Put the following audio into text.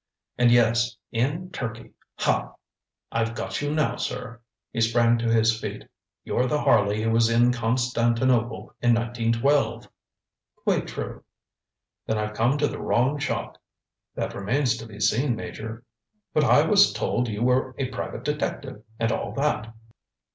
and, yes! in Turkey! Ha! I've got you now sir! ŌĆØ He sprang to his feet. ŌĆ£You're the Harley who was in Constantinople in 1912.ŌĆØ ŌĆ£Quite true. ŌĆØ ŌĆ£Then I've come to the wrong shop. ŌĆØ ŌĆ£That remains to be seen, Major.ŌĆØ ŌĆ£But I was told you were a private detective, and all that.